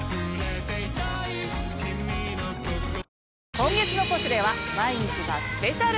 今月の『ポシュレ』は毎日がスペシャル！